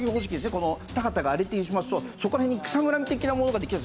この田畑が荒れていますとそこら辺に草むら的なものができるんです